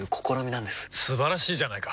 素晴らしいじゃないか！